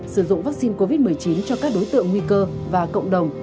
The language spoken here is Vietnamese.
sử dụng vắc xin covid một mươi chín cho các đối tượng nguy cơ và cộng đồng